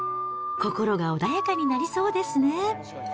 心が穏やかになりそうですね。